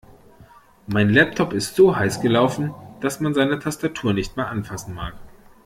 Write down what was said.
Mein Laptop ist so heiß gelaufen, dass man seine Tastatur nicht mehr anfassen mag.